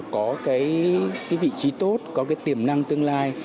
có cái vị trí tốt có cái tiềm năng tương lai